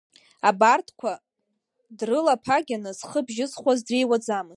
Абарҭқәа дрылаԥагьаны зхы бжьызхуаз дреиуаӡамызт.